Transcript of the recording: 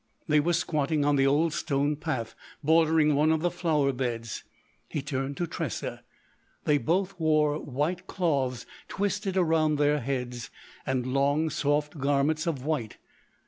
They were squatting on the old stone path bordering one of the flower beds." He turned to Tressa: "They both wore white cloths twisted around their heads, and long soft garments of white.